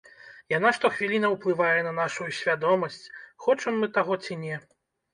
Яна штохвілінна ўплывае на нашую свядомасць, хочам мы таго ці не.